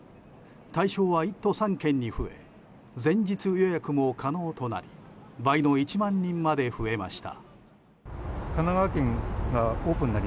対象は１都３県に増え前日予約も可能となり倍の１万人まで増えました。